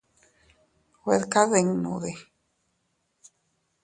Güed kadinnudi.